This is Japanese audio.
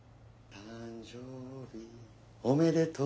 「誕生日おめでとう」